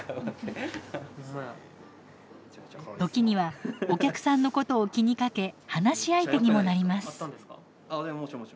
時にはお客さんのことを気にかけ話し相手にもなります。